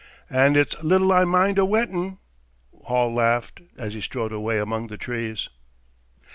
"And it's little I mind a wettin'," Hall laughed, as he strode away among the trees.